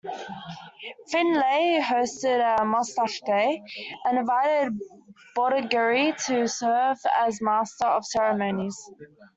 Finley hosted a "mustache day", and invited Bordagaray to serve as master of ceremonies.